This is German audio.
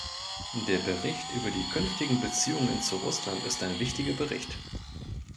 Der Bericht über die künftigen Beziehungen zu Russland ist ein wichtiger Bericht.